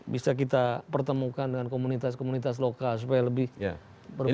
bisa kita pertemukan dengan komunitas komunitas lokal supaya lebih berwuju